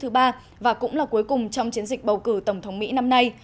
trực tiếp thứ ba và cũng là cuối cùng trong chiến dịch bầu cử tổng thống mỹ năm nay